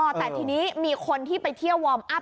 แต่ทีนี้มีคนที่ไปเที่ยววอร์มอัพ